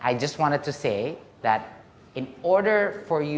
aku hanya ingin mengatakan bahwa